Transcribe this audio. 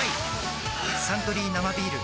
「サントリー生ビール」